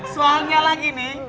soalnya lagi nih